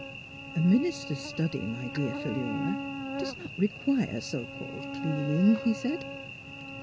" A minister's study, my dear Philura, does not require so called cleaning," he said.